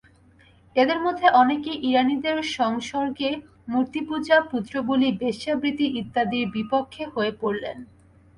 এদের মধ্যে অনেকে ইরানীদের সংসর্গে মূর্তিপূজা, পুত্রবলি, বেশ্যাবৃত্তি ইত্যাদির বিপক্ষ হয়ে পড়লেন।